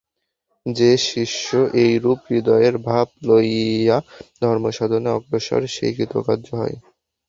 যে শিষ্য এইরূপ হৃদয়ের ভাব লইয়া ধর্মসাধনে অগ্রসর, সেই কৃতকার্য হয়।